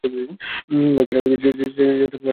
ঐ বাড়ী, যেটা তো মায়ের বাড়ী, যেখানে তোর মা থাকে।